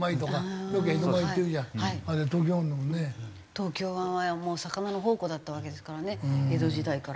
東京湾は魚の宝庫だったわけですからね江戸時代から。